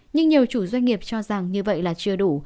nhưng nhiều chủ doanh nghiệp cho rằng như vậy là chưa đủ